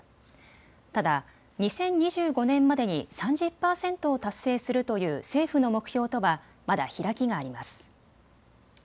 ただ、２０２５年までに３０％を達成するという政府の目標とはまだ開きがあります。